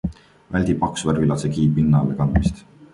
Väldi paksu värvilaadse kihi pinnalekandmist.